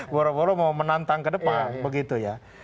boroboro mau menantang ke depan begitu ya